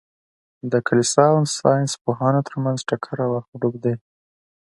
د کلیسا او ساینس پوهانو تر منځ ټکر او اخ و ډب دئ.